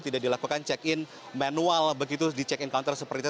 tidak dilakukan check in manual begitu di check in counter seperti itu